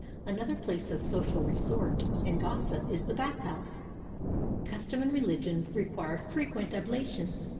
Another place of social resort and gossip is the bath house. Custom and religion require frequent ablutions.